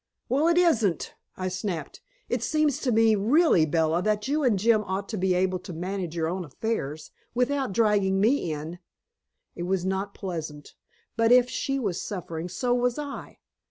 "Well, it isn't," I snapped. "It seems to me, really, Bella, that you and Jim ought to be able to manage your own affairs, without dragging me in." It was not pleasant, but if she was suffering, so was I.